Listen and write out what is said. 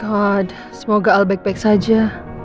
ya allah semoga albaik baik saja